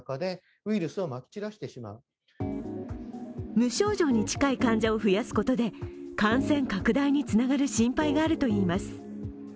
無症状に近い患者を増やすことで感染拡大につながる心配があるといいます。